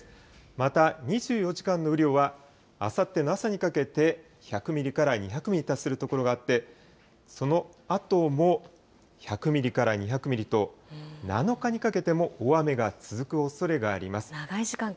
また２４時間の雨量は、あさっての朝にかけて１００ミリから２００ミリに達する所があって、そのあとも１００ミリから２００ミリと、７日にかけても大雨が続くおそれがあります。